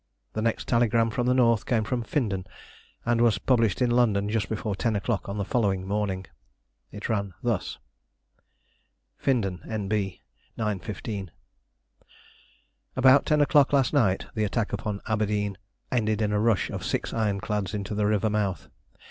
The next telegram from the North came from Findon, and was published in London just before ten o'clock on the following morning. It ran thus Findon, N.B., 9.15. About ten o'clock last night the attack on Aberdeen ended in a rush of six ironclads into the river mouth.